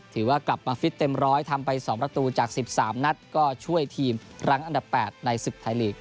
ถือว่ากลับมาฟิตเต็มร้อยทำไป๒ประตูจาก๑๓นัดก็ช่วยทีมรั้งอันดับ๘ในศึกไทยลีก